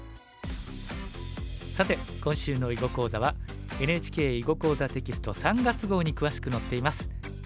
さて今週の囲碁講座はＮＨＫ「囲碁講座」テキスト３月号に詳しく載っています。